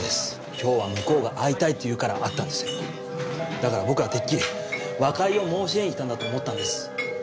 今日は向こうが会いたいって言うから会ったんですよだから僕はてっきり和解を申し入れに来たんだと思ったんです。